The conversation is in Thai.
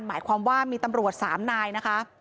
หมายความว่ามีตำรวจ๓นายนะคะ